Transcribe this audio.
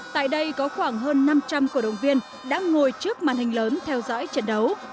tại đây có khoảng hơn năm trăm linh cổ động viên đã ngồi trước màn hình lớn theo dõi trận đấu